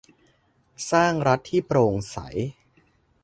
สร้างรัฐที่โปร่งใส